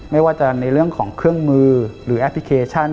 ไม่ว่าจะในเรื่องของเครื่องมือหรือแอปพลิเคชัน